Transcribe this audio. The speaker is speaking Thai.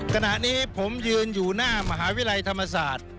ขณะนี้ผมยืนอยู่หน้ามหาวิทยาลัยธรรมศาสตร์